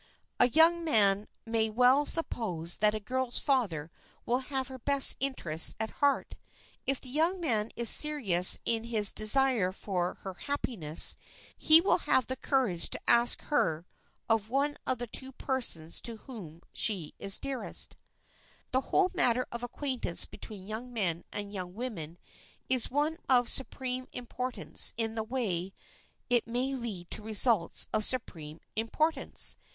A young man may well suppose that a girl's father will have her best interests at heart. If the young man is serious in his desire for her happiness he will have the courage to ask her of one of the two persons to whom she is dearest. [Sidenote: THE IMPORTANCE OF CHAPERONS] The whole matter of acquaintance between young men and young women is one of supreme importance in that it may lead to results of supreme importance.